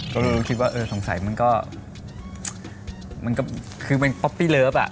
ก็เลยคิดว่าสงสัยมันก็คือมันป๊อปปี้เลิฟ